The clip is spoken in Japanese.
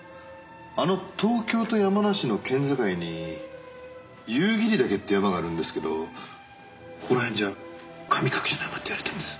あの東京と山梨の県境に夕霧岳って山があるんですけどここら辺じゃ「神隠しの山」って言われてるんです。